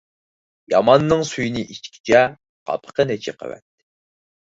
ياماننىڭ سۈيىنى ئىچكۈچە، قاپىقىنى چېقىۋەت.